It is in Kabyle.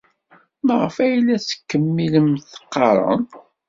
Maɣef ay la tettkemmilem teɣɣarem?